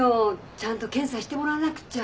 ちゃんと検査してもらわなくちゃ。